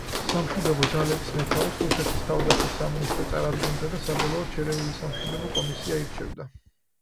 სამშვიდობო ძალების მეთაურს რუსეთის თავდაცვის სამინისტრო წარადგენდა და საბოლოოდ შერეული სამშვიდობო კომისია ირჩევდა.